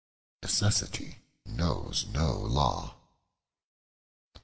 Necessity knows no law.